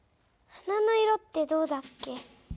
花の色ってどうだっけ？